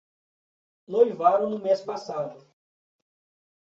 Noivaram no mês passado